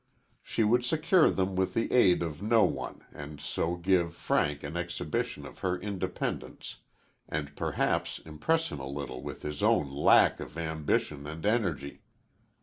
She would secure them with the aid of no one and so give Frank an exhibition of her independence, and perhaps impress him a little with his own lack of ambition and energy.